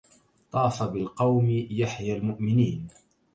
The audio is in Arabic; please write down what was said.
طاف بالقوم يحيي المؤمنين